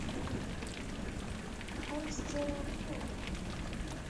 Ur as-ttaruɣ i yiwen.